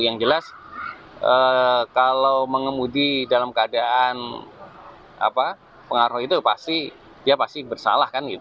yang jelas kalau mengemudi dalam keadaan pengaruh itu dia pasti bersalah